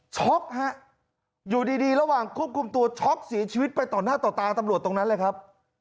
ฮะอยู่ดีระหว่างควบคุมตัวช็อกเสียชีวิตไปต่อหน้าต่อตาตำรวจตรงนั้นเลยครับ